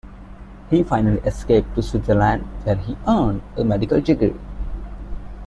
He finally escaped to Switzerland, where he earned a medical degree.